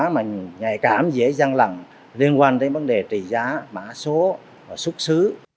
những ngày cảm dễ gian lận liên quan đến vấn đề trị giá mã số và xuất xứ